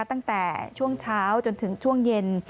ตั้งแต่ช่วงเช้าจนถึงช่วงเย็น